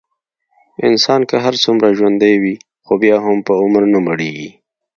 انسان که هرڅومره ژوندی وي، خو بیا هم په عمر نه مړېږي.